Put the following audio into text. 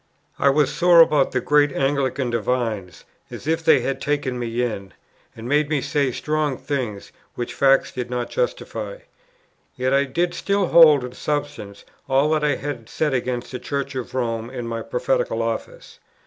I was sore about the great Anglican divines, as if they had taken me in, and made me say strong things, which facts did not justify. Yet I did still hold in substance all that I had said against the Church of Rome in my Prophetical Office.